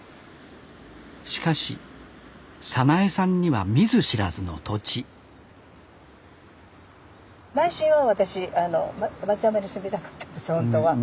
しかし早苗さんには見ず知らずの土地内心は私松山に住みたかったんですほんとは。